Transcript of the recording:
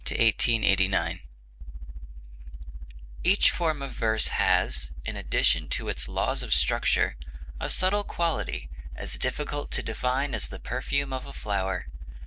WILLIAM ALLINGHAM (1828 1889) Each form of verse has, in addition to its laws of structure, a subtle quality as difficult to define as the perfume of a flower.